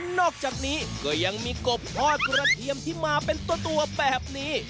นอกจากนี้ก็ยังมีกบทอดกระเทียมที่มาเป็นตัวแบบนี้